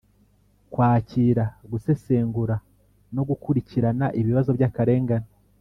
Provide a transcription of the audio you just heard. kwakira, gusesengura no gukurikirana ibibazo by’akarengane;